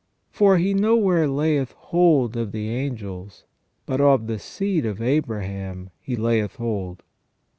For " He nowhere layeth hold of the angels, but of the seed of Abraham He layeth hold